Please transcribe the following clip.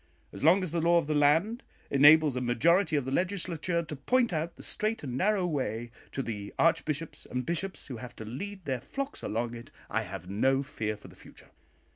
As long as the law of the land enables a majority of the Legislature to point out the straight and narrow way to the archbishops and bishops who have to lead their flocks along it, I have no fear for the future.